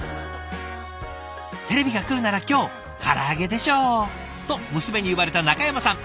「テレビが来るなら今日から揚げでしょう」と娘に言われた中山さん。